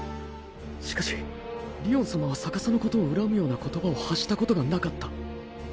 しかしりおんさまは逆叉のことを恨むような言葉を発したことがなかった